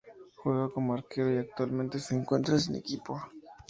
Juega como arquero y actualmente se encuentra sin equipo.